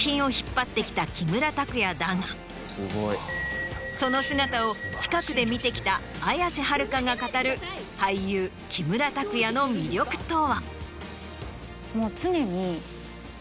木村拓哉だがその姿を近くで見てきた綾瀬はるかが語る俳優木村拓哉の魅力とは？